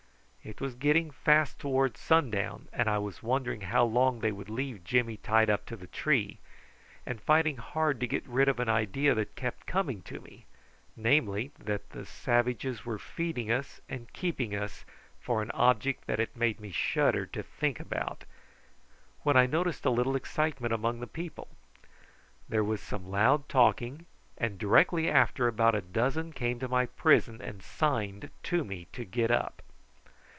It was getting fast towards sundown, and I was wondering how long they would leave Jimmy tied up to the tree, and fighting hard to get rid of an idea that kept coming to me, namely, that the savages were feeding us and keeping us for an object that it made me shudder to think about, when I noted a little excitement among the people. There was some loud talking, and directly after about a dozen came to my prison and signed to me to get up.